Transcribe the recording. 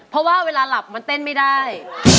เพราะว่าเวลาหลับมันเต้นไม่ได้